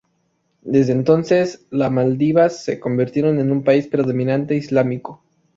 Desde entonces, las Maldivas se convirtieron en un país predominantemente islámico.